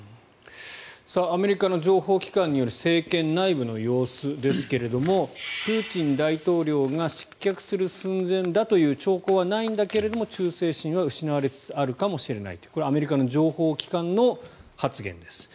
アメリカの情報機関による政権内部の様子ですがプーチン大統領が失脚する寸前だという兆候はないんだけども忠誠心は失われつつあるかもしれないというこれ、アメリカの情報機関の発言です。